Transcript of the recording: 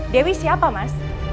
dewi siapa mas